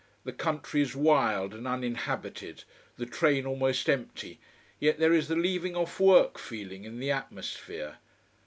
The country is wild and uninhabited, the train almost empty, yet there is the leaving off work feeling in the atmosphere.